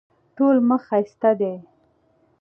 ټوله مخ ښایسته ده.